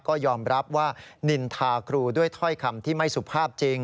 ก็ยอมรับว่านินทาครูด้วยถ้อยคำที่ไม่สุภาพจริง